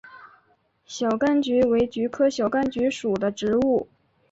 小甘菊为菊科小甘菊属的植物。